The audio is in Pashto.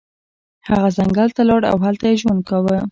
هغه ځنګل ته لاړ او هلته یې ژوند کاوه.